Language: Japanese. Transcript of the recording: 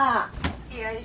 よいしょ。